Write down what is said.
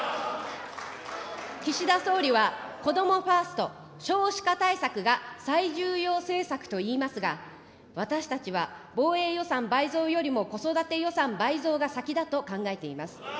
岸田総理は、こどもファースト、少子化対策が最重要政策といいますが、私たちは防衛予算倍増よりも、子育て予算倍増が先だと考えています。